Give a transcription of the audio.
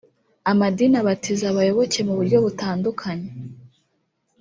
Amadini abatiza abayoboke mu buryo butandukanye